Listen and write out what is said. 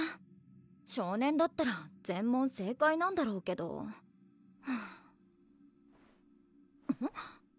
少年だったら全問正解なんだろうけどハァ